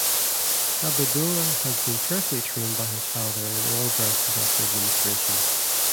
Habibullah has been carefully trained by his father in all branches of the administration.